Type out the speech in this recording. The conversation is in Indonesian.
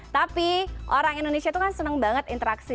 tapi orang indonesia tuh kan seneng banget interaksi